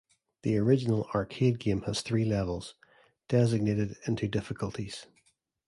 The original arcade game has three levels, designated into difficulties.